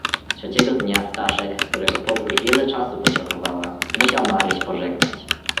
"Trzeciego dnia Staszek, którego podróż wiele czasu potrzebowała, musiał Maryś pożegnać."